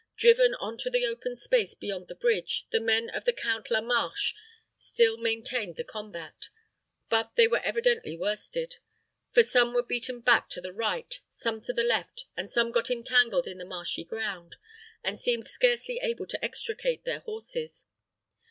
Driven on into the open space beyond the bridge, the men of the Count La Marche still maintained the combat; but they were evidently worsted, for some were beaten back to the right, some to the left, and some got entangled in the marshy ground, and seemed scarcely able to extricate their horses.